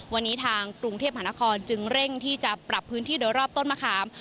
วันนี้ทางกรุงเทพมหานครจึงเร่งที่จะปรับพื้นที่โดยรอบต้นมะขาม